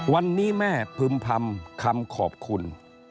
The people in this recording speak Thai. วันนี้แม่พึ่มพำคำขอบคุณ